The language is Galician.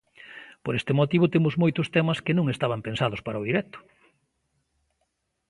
Por este motivo temos moitos temas que non estaban pensados para o directo.